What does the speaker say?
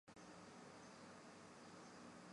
评审委员会负责筛选提名和选拔获奖者。